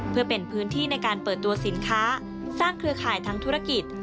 เพื่อเป็นพื้นที่ในการเปิดตัวสินค้าสร้างเครือข่ายทั้งธุรกิจ